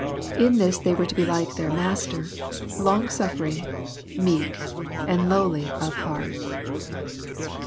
In this they were to be like their Master, long suffering, meek, and lowly of heart.